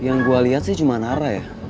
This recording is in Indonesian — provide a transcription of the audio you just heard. yang gua liat sih cuma nara ya